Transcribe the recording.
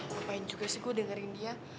ngapain juga sih gue dengerin dia